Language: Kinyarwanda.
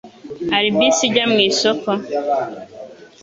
Hari bisi ijya mu isoko?